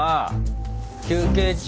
休憩中。